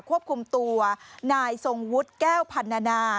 ควบคุมตัวนายทรงวุฒิแก้วพันนานา